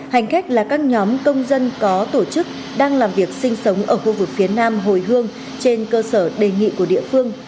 hành khách là các nhóm công dân có tổ chức đang làm việc sinh sống ở khu vực phía nam hồi hương trên cơ sở đề nghị của địa phương